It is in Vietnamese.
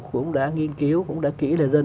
cũng đã nghiên cứu cũng đã kỹ là dân